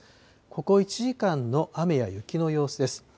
ここ１時間の雨や雪の様子です。